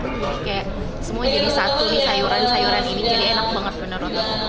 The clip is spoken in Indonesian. kayak semua jadi satu nih sayuran sayuran ini jadi enak banget bener bener